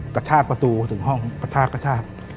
กระชาประตูถึงห้องกระชาป